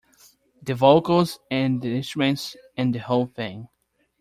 The vocals and the instruments and the whole thing.